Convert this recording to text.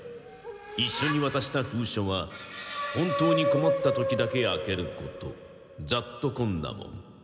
一緒に渡した封書は本当に困った時だけ開けること雑渡昆奈門」。